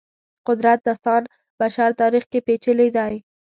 قدرت داستان بشر تاریخ کې پېچلي دی.